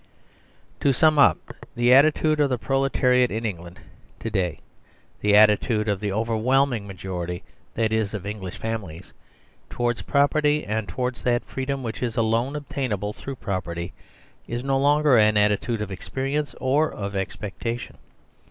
To sum up : The attitude of the proletariat in Eng land to day (the attitude of the overwhelming ma jority, that is, of English families) towards property and towards that freedom which is alone obtainable through property is no longer an attitude of experi ence or of expectation.